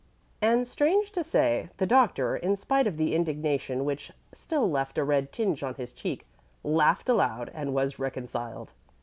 And strange to say, the Doctor, in spite of the indignation which still left a red tinge on his cheek, laughed aloud and was reconciled.